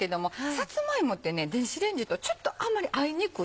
さつま芋って電子レンジとちょっとあまり合いにくい。